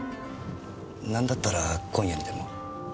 なんだったら今夜にでも。